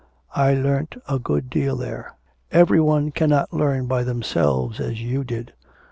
'I learnt a good deal there. Every one cannot learn by themselves as you did.